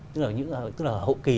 tức là hậu kì